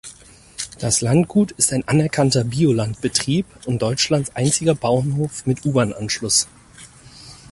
Das Landgut ist ein anerkannter Bioland-Betrieb und Deutschlands einziger Bauernhof mit U-Bahn-Anschluss.